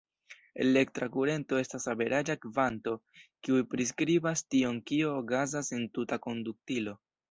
Elektra kurento estas averaĝa kvanto, kiu priskribas tion kio okazas en tuta konduktilo.